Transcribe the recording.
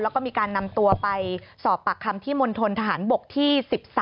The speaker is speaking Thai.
แล้วก็มีการนำตัวไปสอบปากคำที่มณฑนทหารบกที่๑๒